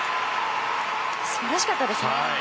素晴らしかったですね。